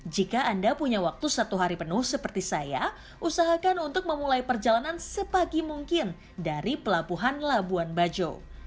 jika anda punya waktu satu hari penuh seperti saya usahakan untuk memulai perjalanan sepagi mungkin dari pelabuhan labuan bajo